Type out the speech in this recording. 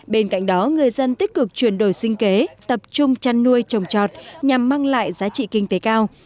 bên cạnh đó người dân tích cực chuyển đổi sinh kế tập trung chăn nuôi trồng trọt nhằm mang lại giá trị kinh tế cao